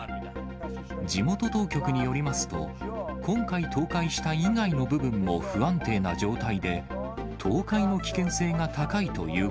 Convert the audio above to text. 地元当局によりますと、今回、倒壊した以外の部分も不安定な状態で、倒壊の危険性が高いという